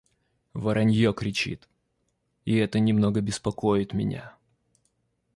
Воронье кричит, и это немного беспокоит меня.